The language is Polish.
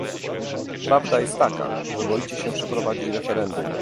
Prawda jest taka, że boicie się przeprowadzić referendum